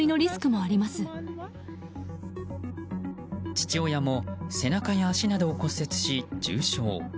父親も背中や足などを骨折し重傷。